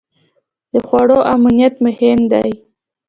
د خوړو امنیت مهم دی.